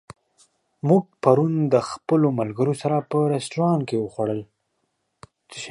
موږ پرون د خپلو ملګرو سره په رستورانت کې وخوړل.